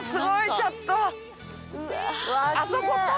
ちょっと！